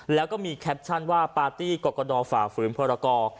แล้วก็มีแคปชั่นว่าปาร์ตี้กรกฎอฝ่าฝืนพรกร